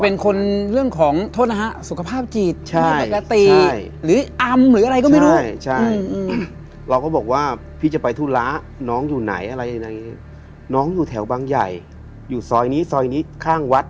น้องเป็นไรหรอก